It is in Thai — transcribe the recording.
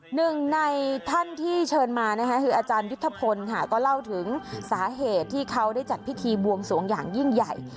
หนึ่งในท่านที่เชิญมานะคะคืออาจารยุทธพลค่ะก็เล่าถึงสาเหตุที่เขาได้จัดพิธีบวงสวงอย่างยิ่งใหญ่